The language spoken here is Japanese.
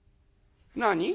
「何？」。